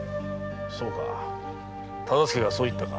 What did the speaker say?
そうか忠相がそう言ったか。